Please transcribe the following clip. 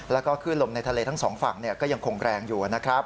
แล้วก็ขึ้นลมในทะเลทั้งสองฝั่งก็ยังคงแรงอยู่นะครับ